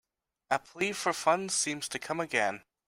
A plea for funds seems to come again.